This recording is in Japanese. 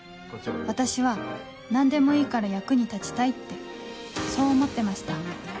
私は何でもいいから役に立ちたいってそう思ってました